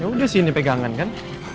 udah sih ini pegangan kan